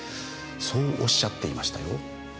そうおっしゃっていましたよ。